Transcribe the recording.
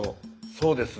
そうですね。